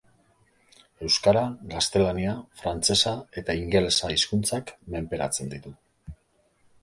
Euskara, gaztelania, frantsesa eta ingelesa hizkuntzak menperatzen ditu.